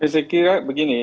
saya kira begini